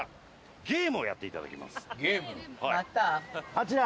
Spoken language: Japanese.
あちら！